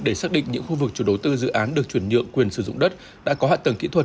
để xác định những khu vực chủ đối tư dự án được chuyển nhượng quyền sử dụng đất đã có hạ tầng kỹ thuật